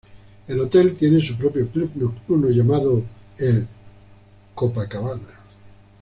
El hotel tiene su propio club nocturno llamado el Copacabana.